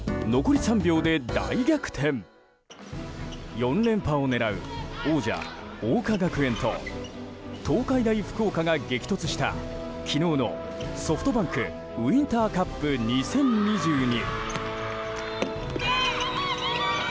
４連覇を狙う王者・桜花学園と東海大福岡が激突した昨日のＳｏｆｔｂａｎｋウインターカップ２０２２。